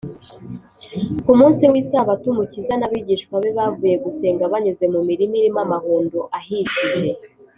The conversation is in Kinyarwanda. ku munsi w’isabato, umukiza n’abigishwa be bavuye gusenga, banyuze mu mirima irimo amahundo ahishije